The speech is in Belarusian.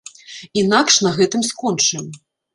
Інакш на гэтым скончым.